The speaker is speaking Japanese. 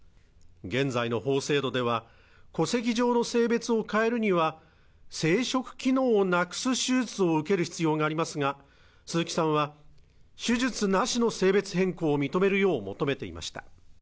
現在の法制度では戸籍上の性別を変えるには生殖機能をなくす手術を受ける必要がありますが鈴木さんは手術なしの性別変更を認めるよう求めていました